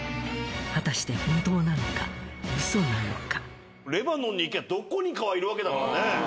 果たして本当なのかウソなのか。